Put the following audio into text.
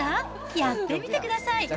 やってみてください。